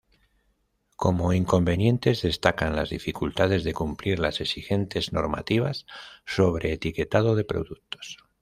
Como inconvenientes, destacan las dificultades de cumplir las exigentes normativas sobre etiquetado de productos.